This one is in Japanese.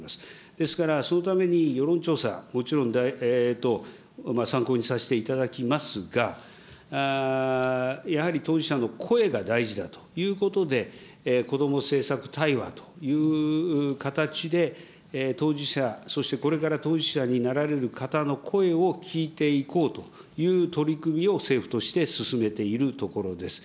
ですから、そのために世論調査、もちろん、参考にさせていただきますが、やはり当事者の声が大事だということで、子ども政策対話という形で、当事者、そしてこれから当事者になられる方の声を聞いていこうという取り組みを政府として進めているところです。